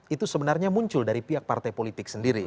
itu sebenarnya muncul dari pihak partai politik sendiri